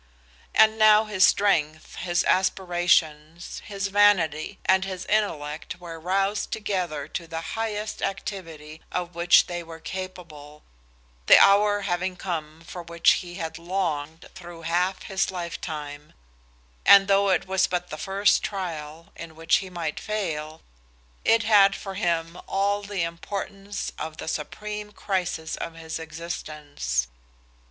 And now his strength, his aspirations, his vanity, and his intellect were roused together to the highest activity of which they were capable, the hour having come for which he had longed through half his lifetime, and though it was but the first trial, in which he might fail, it had for him all the importance of the supreme crisis of his existence.